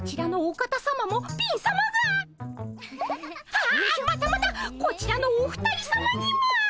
ああまたまたこちらのお二人さまにも。